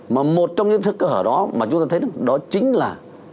mà một trong những sơ hở đó mà chúng ta thấy đó chính là